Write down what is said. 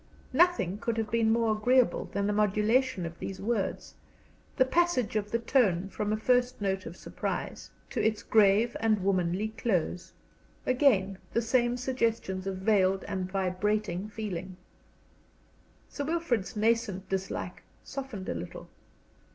Nothing could have been more agreeable than the modulation of these words, the passage of the tone from a first note of surprise to its grave and womanly close. Again, the same suggestions of veiled and vibrating feeling. Sir Wilfrid's nascent dislike softened a little.